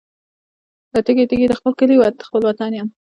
تږي، تږي د خپل کلي خپل وطن یم